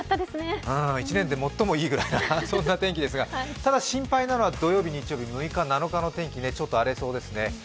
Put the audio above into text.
１年でもっともいいぐらいな、そんな天気ですがただ心配なのは土曜日、日曜日、６日、７にの天気、ちょっと荒れそうですね。